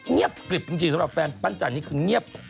เงียบกริบจริงสำหรับแฟนปั้นจันนี่คือเงียบ